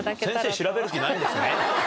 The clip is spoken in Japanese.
先生、調べる気ないんですね？